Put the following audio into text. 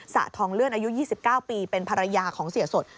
สะทองเลื่อนอายุ๒๙ปีเป็นภรรยาของเสียสด